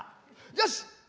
よし！